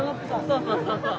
そうそうそうそう。